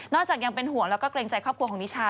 จากยังเป็นห่วงแล้วก็เกรงใจครอบครัวของนิชา